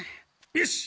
よし！